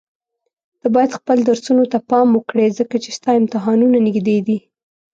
ته بايد خپل درسونو ته پام وکړي ځکه چي ستا امتحانونه نيږدي دي.